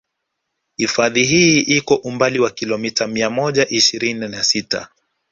Hifadhi hii iko umbali wa kilometa mia moja ishirini na sita